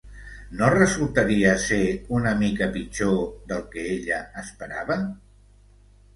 No resultaria ser una mica pitjor del que ella esperava?